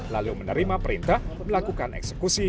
lalu menerima perintah melakukan eksekusi